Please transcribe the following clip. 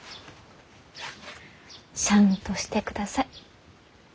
シャンとしてください。